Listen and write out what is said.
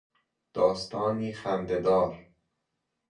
داستانی خندهدار